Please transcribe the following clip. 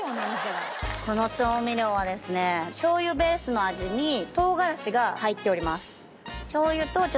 この調味料はですねしょう油ベースの味に唐辛子が入っております。